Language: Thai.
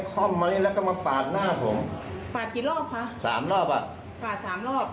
ค่อมมานี่แล้วก็มาปาดหน้าผมปาดกี่รอบคะสามรอบอ่ะปาดสามรอบ